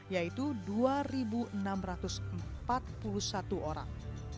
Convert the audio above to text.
yaitu dua enam ratus empat puluh satu orang